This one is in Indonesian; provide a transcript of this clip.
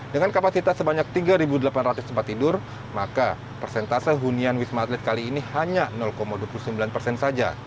dengan kapasitas sebanyak tiga delapan ratus tempat tidur maka persentase hunian wisma atlet kali ini hanya dua puluh sembilan persen saja